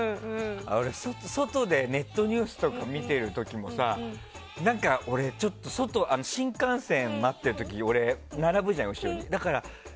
俺、外でネットニュースとか見てる時もさ何か、ちょっと新幹線待ってる時並ぶじゃない、後ろに。